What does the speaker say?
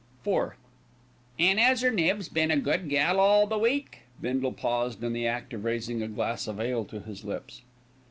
IV "An' 'as 'er Nibs been a good gal all the week?" Bindle paused in the act of raising a glass of ale to his lips.